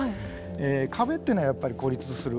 壁っていうのはやっぱり孤立する。